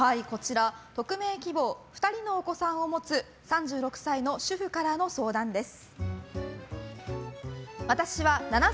匿名希望２人のお子さんを持つ３６歳の主婦からの相談です。